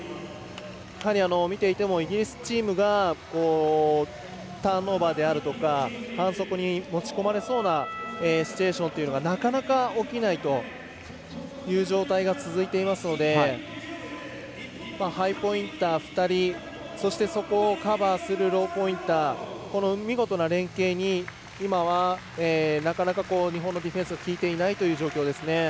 見ていてもイギリスチームがターンオーバーであるとか反則に持ち込まれそうなシチュエーションというのがなかなか、起きないという状態が続いていますのでハイポインター２人そして、そこをカバーするローポインターの見事な連係に今は、なかなか日本のディフェンスが効いていないという状況ですね。